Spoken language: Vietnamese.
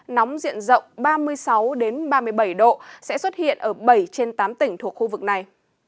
nóng diện rộng ba mươi sáu ba mươi bảy độ sẽ xuất hiện ở bảy trên tám tỉnh thuộc khu vực này